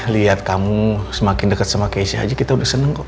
lihat kamu semakin dekat sama keisha aja kita udah seneng kok